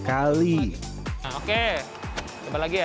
kalau warnanya sudah berubah kita bisa menggubahnya